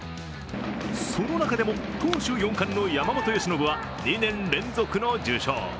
その中でも投手４冠の山本由伸は２年連続の受賞。